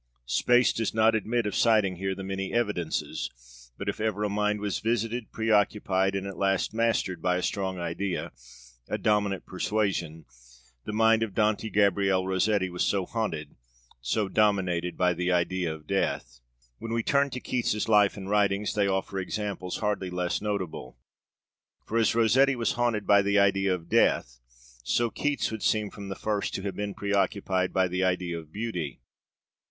Space does not admit of citing here the many evidences; but if ever a mind was visited, preoccupied, and at last mastered by a strong idea, a dominant persuasion, the mind of Dante Gabriel Rossetti was so haunted so dominated by the idea of death. When we turn to Keats's life and writings, they offer examples hardly less notable. For as Rossetti was haunted by the idea of death, so Keats would seem from the first to have been preoccupied by the idea of beauty.